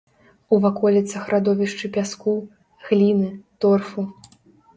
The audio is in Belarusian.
У ваколіцах радовішчы пяску, гліны, торфу.